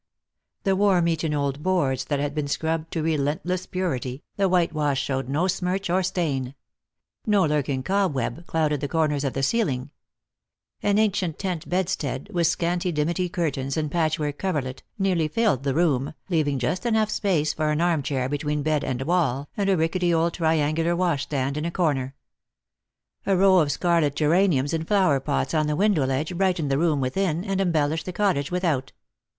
The worm eaten old boards had been scrubbed to relentless purity, the white wash showed no smirch or stain. No lurking cobweb clouded the corners of the ceiling. An ancient tent bedstead, with scanty dimity curtains and patchwork coverlet, nearly filled the room, leaving just enough space for an arm chair between bed and wall, and a rickety old triangular washstand in a corner. A row of scarlet geraniums in flower pots on the window ledge brightened the room within, and embellished the cottage with out.